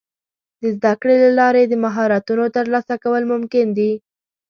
د زده کړې له لارې د مهارتونو ترلاسه کول ممکن دي.